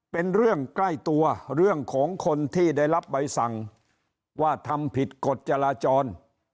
เป็นเรื่องใกล้ตัวเรื่องของคนที่ได้รับใบสั่งว่าทำผิดกฎจราจร